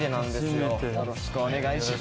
よろしくお願いします。